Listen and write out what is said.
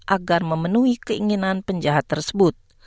agar memenuhi keinginan penjahat tersebut